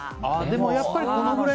やっぱり、このくらい。